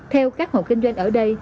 theo các hộp kinh doanh ở đây